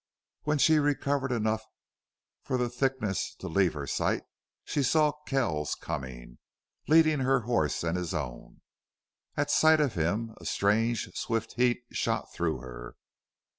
When she recovered enough for the thickness to leave her sight she saw Kells coming, leading her horse and his own. At sight of him a strange, swift heat shot through her.